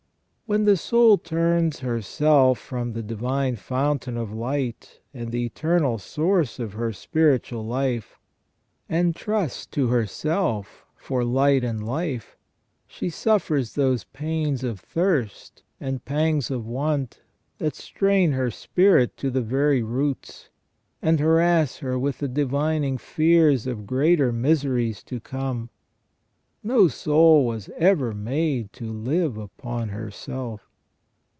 When the soul turns herself from the Divine Fountain of light and the Eternal Source of her spiritual life, and trusts to herself for light and life, she suffers those pains of thirst and pangs of want that strain her spirit to the very roots, and harass her with the divining fears of greater miseries to come. No soul was ever made to live upon herself.